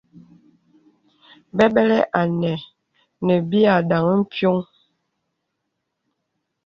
Bɛbɛlì à nə̄ nə̀ pìì à dāŋ piɔŋ.